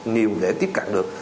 nhiều để tiếp cận được